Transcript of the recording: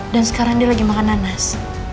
dan sekarang dia lagi makan nanas